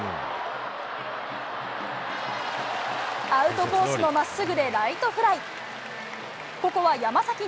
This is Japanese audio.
アウトコースのまっすぐでライトフライ。